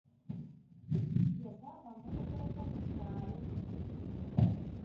Yabasaba bamuwerekeleko mu kyalo!